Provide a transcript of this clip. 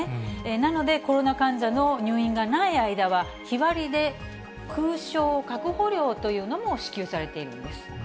なので、コロナ患者の入院がない間は、日割りで空床確保料というのも支給されているんです。